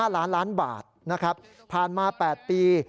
๕ล้านล้านบาทนะครับผ่านมา๘ปี